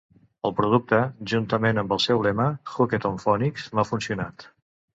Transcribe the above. El producte, juntament amb el seu lema Hooked on Phonics, m'ha funcionat.